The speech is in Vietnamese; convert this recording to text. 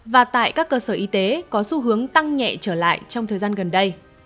và tại các cơ sở y tế có xu hướng tăng nhẹ trở lại trong thời gian gần đây